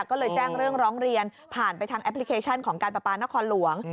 ก็เลยแจ้งเรื่องร้องเรียนผ่านไปทางแอปพลิเคชันของการประปานครหลวง